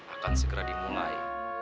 akan segera dimulai